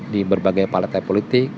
di berbagai partai politik